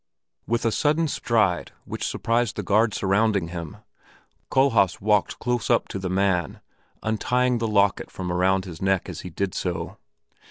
With a sudden stride which surprised the guard surrounding him, Kohlhaas walked close up to the man, untying the locket from around his neck as he did so.